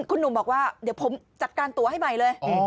คุณหนุ่มบอกว่าเดี๋ยวผมจัดการตัวให้ใหม่เลย